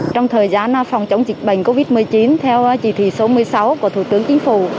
trong thời gian phòng chống dịch bệnh covid một mươi chín theo chỉ thị số một mươi sáu của thủ tướng chính phủ